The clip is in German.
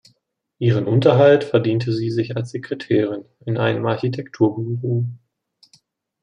Ihren Unterhalt verdiente sie sich als Sekretärin in einem Architekturbüro.